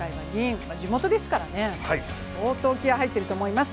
地元ですからね、相当、気合い入ってると思います。